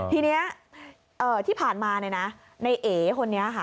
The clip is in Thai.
ทีนี้ที่ผ่านมาในเอ๋คนนี้ค่ะ